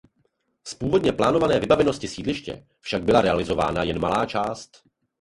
Z původně plánované vybavenosti sídliště však byla realizována jen malá část.